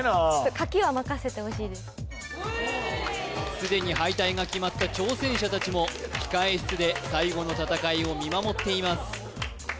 すでに敗退が決まった挑戦者達も控え室で最後の戦いを見守っています